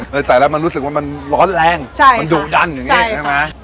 ใส่แล้วมันรู้สึกว่ามันร้อนแรงมันดุดันอย่างนี้ใช่ไหม